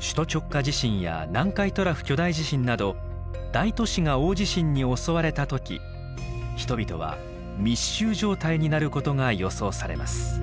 首都直下地震や南海トラフ巨大地震など大都市が大地震に襲われた時人々は密集状態になることが予想されます。